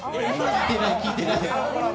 聞いてない、聞いてない。